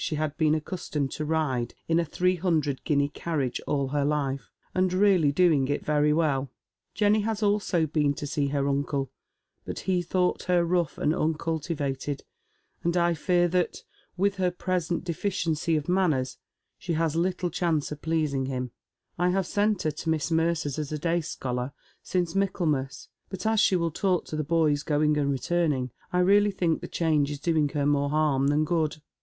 ehe had been accustomed to ride in a three hundred guinea carriage all her life, and really doing it very welL Jenny has also been to eee her uncle, but he thought her rough and uncultivated, and I fear that, with her present deficiency of manners, she has little chance of pleasing hira. I have sent her to Miss Mercer's as a day scholar, since Michaelmas, but as she will talk to the boys going and returning, I really think the change is doing her more harm than good.